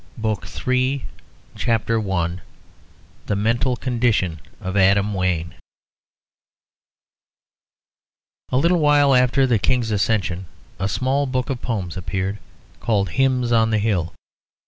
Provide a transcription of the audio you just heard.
BOOK III CHAPTER I The Mental Condition of Adam Wayne A little while after the King's accession a small book of poems appeared, called "Hymns on the Hill."